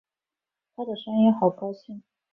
她的声音好高兴